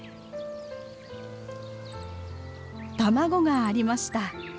卵がありました。